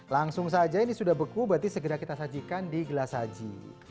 langsung saja ini sudah beku berarti segera kita sajikan di gelas saji